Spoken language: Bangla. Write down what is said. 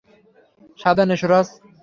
সাবধানে, সুরাজ।